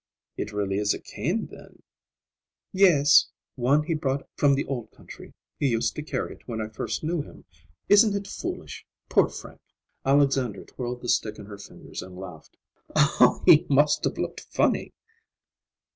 "It really is a cane, then?" "Yes. One he brought from the old country. He used to carry it when I first knew him. Isn't it foolish? Poor Frank!" Alexandra twirled the stick in her fingers and laughed. "He must have looked funny!"